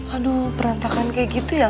aduh berantakan kayak gitu ya